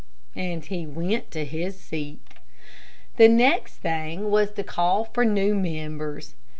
And he went to his seat. The next thing was to call for new members.